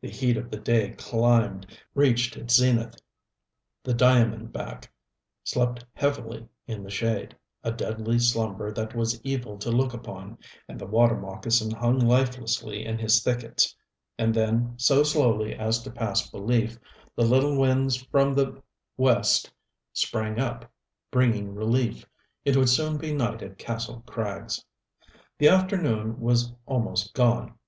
The heat of the day climbed, reached its zenith; the diamond back slept heavily in the shade, a deadly slumber that was evil to look upon; and the water moccasin hung lifelessly in his thickets and then, so slowly as to pass belief, the little winds from the West sprang up, bringing relief. It would soon be night at Kastle Krags. The afternoon was almost gone.